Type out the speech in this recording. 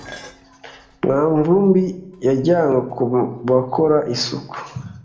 mwanvumbi yajyanywe ku bakora isuku